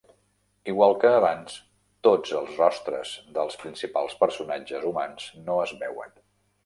Igual que abans, tots els rostres dels principals personatges humans no es veuen.